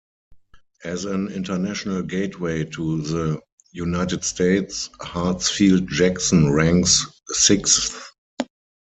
As an international gateway to the United States, Hartsfield-Jackson ranks sixth.